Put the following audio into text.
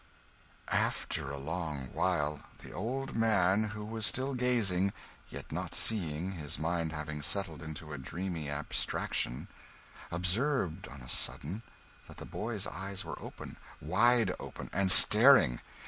After a long while, the old man, who was still gazing, yet not seeing, his mind having settled into a dreamy abstraction, observed, on a sudden, that the boy's eyes were open! wide open and staring!